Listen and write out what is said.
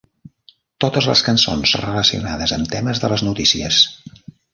Totes les cançons relacionades amb temes de les notícies.